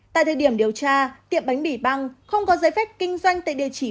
tại thời điểm điều tra tiệm bánh mì băng không có giấy phép kinh doanh tại địa chỉ